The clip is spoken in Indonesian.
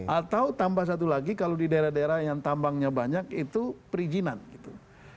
atau tambah satu lagi kalau di daerah daerah yang tambangnya banyak itu perizinan gitu